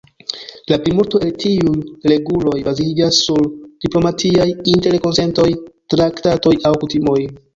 La plimulto el tiuj reguloj baziĝas sur diplomatiaj interkonsentoj, traktatoj aŭ kutimoj.